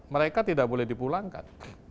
mereka tidak boleh dipulangkan